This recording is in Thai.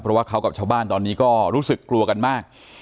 เพราะว่าเขากับชาวบ้านตอนนี้ก็รู้สึกกลัวกันมาก